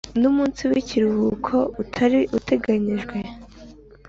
N umunsi w ikiruhuko utari uteganyijwe